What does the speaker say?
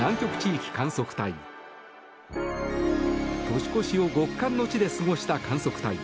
年越しを極寒の地で過ごした観測隊。